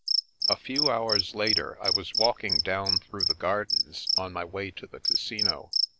A few hours later, I was walking down through the gardens, on my way to the Casino.